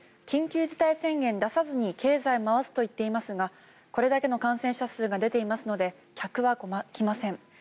緊急事態宣言出さずに経済回すと言っていますがこれだけの感染者数が出ていますので、客は来ません。